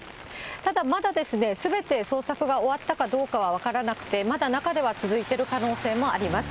ただ、まだすべて捜索が終わったかどうかは分からなくて、まだ中では続いている可能性もあります。